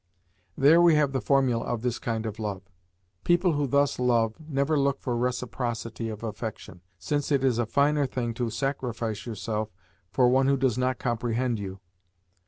There we have the formula of this kind of love. People who thus love never look for reciprocity of affection, since it is a finer thing to sacrifice yourself for one who does not comprehend you.